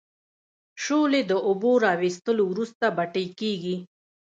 شولې د اوبو را وېستلو وروسته بټۍ کیږي.